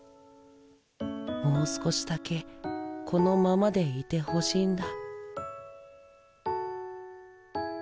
もう少しだけこのままでいてほしいんだ。